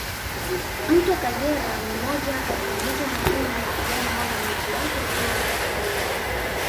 Mto kagera ni moja Kati ya mito muhimu inayo mwaga maji yake ziwa victoria